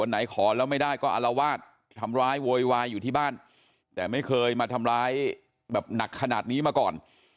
ไหนขอแล้วไม่ได้ก็อารวาสทำร้ายโวยวายอยู่ที่บ้านแต่ไม่เคยมาทำร้ายแบบหนักขนาดนี้มาก่อน